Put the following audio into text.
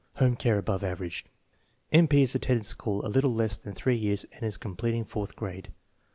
Home care above average. M. P. has attended school a little less than three years and is completing fourth grade.